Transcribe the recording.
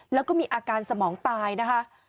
แล้วก็มีอาการสมองตายนะคะ